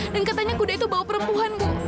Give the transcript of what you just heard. dan katanya kuda itu bawa perempuan bu